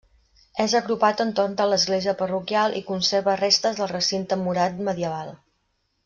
És agrupat entorn de l'església parroquial i conserva restes del recinte murat medieval.